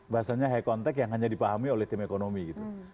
bahasanya high contact yang hanya dipahami oleh tim ekonomi gitu